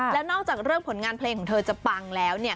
แล้วนอกจากเรื่องผลงานเพลงของเธอจะปังแล้ว